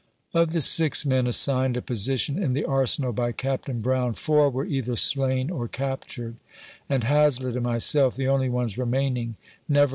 Op the six men assigned a position in the arsenal by Cap tain Brown, four were either slain or captured ; and Hazlett and myself, the only ones remaining, never